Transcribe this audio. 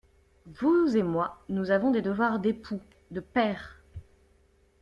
Vous et moi, nous avons des devoirs d'époux, de pères.